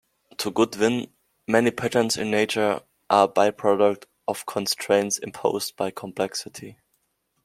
To Goodwin, many patterns in nature are a byproduct of constraints imposed by complexity.